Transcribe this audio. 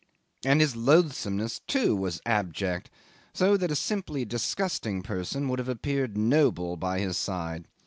And his loathsomeness, too, was abject, so that a simply disgusting person would have appeared noble by his side.